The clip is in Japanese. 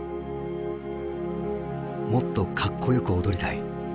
「もっとかっこよく踊りたい」。